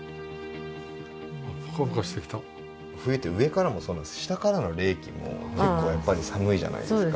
冬って上からもそうですし下からの冷気も結構やっぱり寒いじゃないですか。